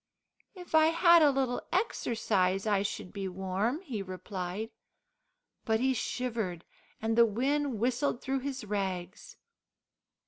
"If I bad a little exercise, I should be warm," he replied. But he shivered, and the wind whistled through his rags.